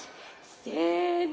せの！